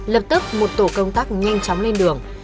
lập tức một tổ công tác nhanh chóng lên đường